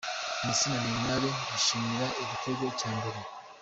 Messi na Neymar bishimira igitego cya mbere